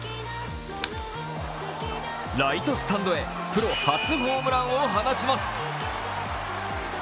ライトスタンドへプロ初ホームランを放ちます。